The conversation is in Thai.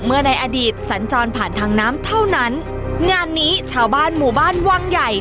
ในอดีตสัญจรผ่านทางน้ำเท่านั้นงานนี้ชาวบ้านหมู่บ้านวังใหญ่